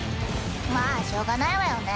まぁしょうがないわよね。